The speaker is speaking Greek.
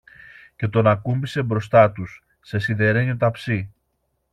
και τον ακούμπησε μπροστά τους, σε σιδερένιο ταψί.